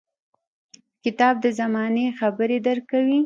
• کتاب د زمانې خبرې درکوي.